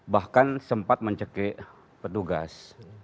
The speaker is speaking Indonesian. bahkan sempat mencegik petugas